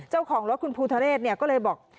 เจ้าของรถคุณพูทะเลสเนี่ยก็เลยบอก